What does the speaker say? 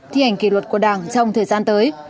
thi hành kỷ luật của đảng trong thời gian tới